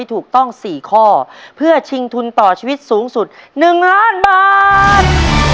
ถูกต้อง๔ข้อเพื่อชิงทุนต่อชีวิตสูงสุด๑ล้านบาท